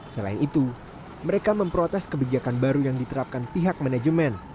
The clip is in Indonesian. selain itu mereka memprotes kebijakan baru yang diterapkan pihak manajemen